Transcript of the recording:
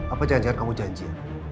apa jangan jangan kamu janji ya